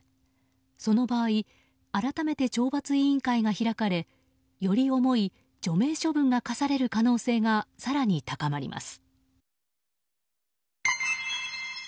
その場合改めて懲罰委員会が開かれより重い除名処分が科される可能性が更に高まります。